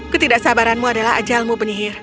ketidaksabaranmu adalah ajalmu penyihir